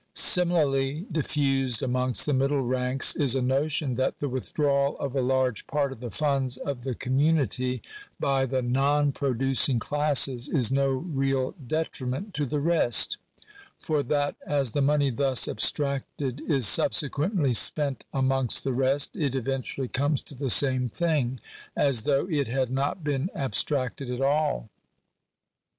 Similarly diffused amongst the middle ranks, is a notion that the withdrawal of a large part of the funds of the community by the non producing classes is no real detriment to the rest ; for that as the money thus abstracted is subsequently spent amongst the rest, it eventually comes to the same thing as though it had not been abstracted at all.